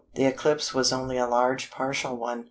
The eclipse was only a large partial one.